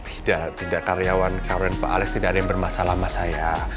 tidak tidak karyawan pak aleks tidak ada yang bermasalah sama saya